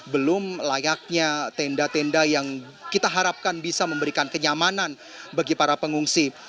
belum layaknya tenda tenda yang kita harapkan bisa memberikan kenyamanan bagi para pengungsi